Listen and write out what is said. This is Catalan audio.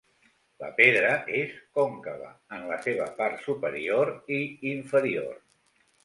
La pedra és còncava en la seva part superior i inferior.